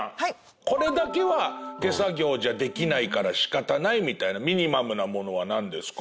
これだけは手作業じゃできないから仕方ないみたいなミニマムなものはなんですか？